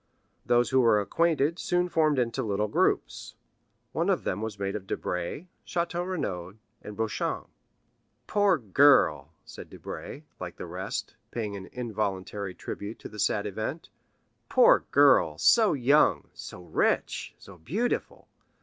Those who were acquainted soon formed into little groups. One of them was made of Debray, Château Renaud, and Beauchamp. "Poor girl," said Debray, like the rest, paying an involuntary tribute to the sad event,—"poor girl, so young, so rich, so beautiful!